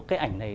cái ảnh này